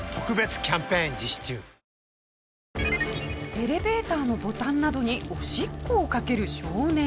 エレベーターのボタンなどにおしっこをかける少年。